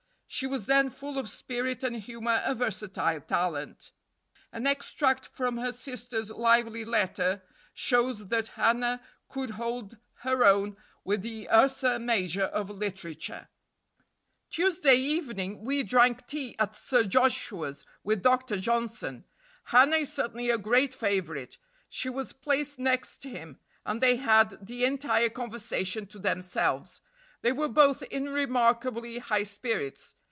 She was then full of spirit and humor and versatile talent. An extract from her sister's lively letter shows that Hannah could hold her own with the Ursa Major of literature: "Tuesday evening we drank tea at Sir Joshua's with Dr. Johnson. Hannah is certainly a great favorite. She was placed next him, and they had the entire conversation to themselves. They were both in remarkably high spirits.